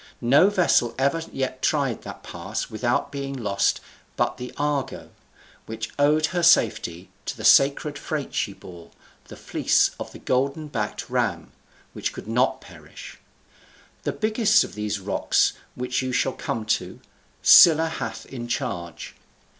No vessel ever yet tried that pass without being lost but the Argo, which owed her safety to the sacred freight she bore, the fleece of the golden backed ram, which could not perish. The biggest of these rocks which you shall come to, Scylla hath in charge.